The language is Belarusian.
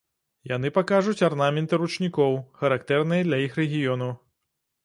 Яны пакажуць арнаменты ручнікоў, характэрныя для іх рэгіёну.